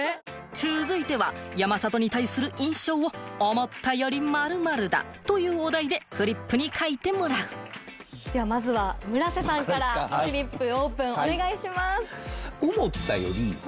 続いては山里に対する印象を「思ったより○○だ」というお題でフリップに書いてもらうまずは村瀬さんからフリップオープンお願いします。